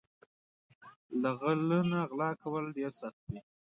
له غل نه غلا کول ډېر سخت وي